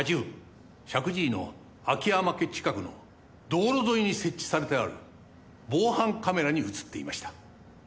石神井の秋山家近くの道路沿いに設置されてある防犯カメラに映っていました。